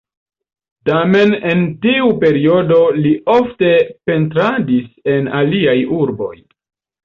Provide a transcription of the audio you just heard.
Tamen en tiu periodo li ofte pentradis en aliaj urboj.